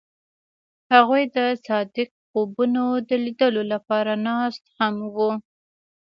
هغوی د صادق خوبونو د لیدلو لپاره ناست هم وو.